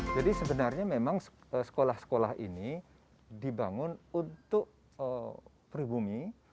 jadi sebenarnya memang sekolah sekolah ini dibangun untuk pribumi